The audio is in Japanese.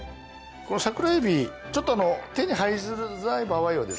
このサクラエビちょっと手に入りづらい場合はですね